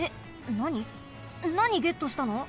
なにゲットしたの？